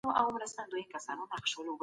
څنګه کولای سو په کلیو کي د ژوند شرایط ښه کړو؟